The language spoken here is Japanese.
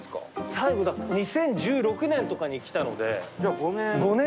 最後２０１６年とかに来たのでじゃあ５年。